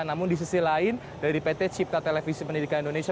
namun di sisi lain dari pt cipta televisi pendidikan indonesia